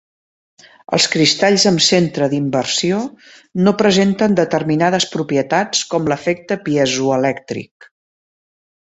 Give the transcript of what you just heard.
Els cristalls amb centre d'inversió no presenten determinades propietats com l'efecte piezoelèctric.